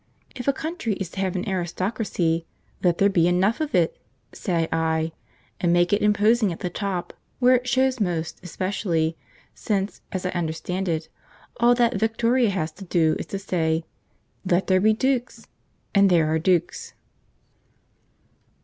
If a country is to have an aristocracy, let there be enough of it, say I, and make it imposing at the top, where it shows most, especially since, as I understand it, all that Victoria has to do is to say, 'Let there be dukes,' and there are dukes.